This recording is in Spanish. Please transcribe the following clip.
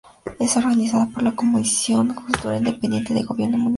Es organizada por la Comisión de Cultura dependiente del gobierno municipal.